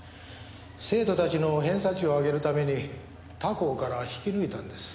生徒たちの偏差値を上げるために他校から引き抜いたんです。